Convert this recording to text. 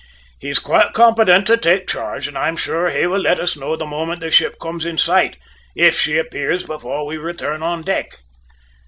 "He's quite competent to take charge, and I'm sure will let us know the moment the ship comes in sight, if she appears before we return on deck."